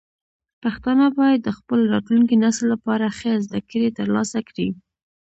پښتانه باید د خپل راتلونکي نسل لپاره ښه زده کړې ترلاسه کړي.